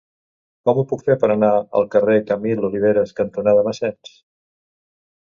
Com ho puc fer per anar al carrer Camil Oliveras cantonada Massens?